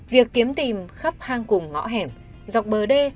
việc kiếm tìm khắp hang cùng ngõ hẻm dọc bờ đê